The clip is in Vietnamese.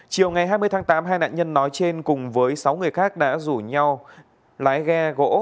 chiều ngày hai mươi tháng tám hai nạn nhân nói trên cùng với sáu người khác đã rủ nhau lái ghe gỗ